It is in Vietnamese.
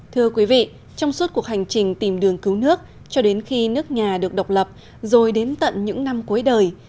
thưa quý vị trong suốt cuộc hành trình tìm đường cứu nước cho đến khi nước nhà được độc lập rồi đến tận những năm cuối đời